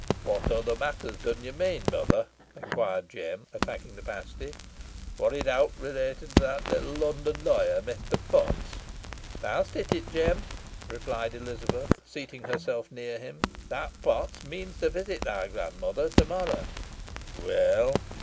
"What other matters dun you mean, mother?" inquired Jem, attacking the pasty. "War it owt relatin' to that little Lunnon lawyer, Mester Potts?" "Theawst hit it, Jem," replied Elizabeth, seating herself near him. "That Potts means to visit thy gran mother to morrow." "Weel!"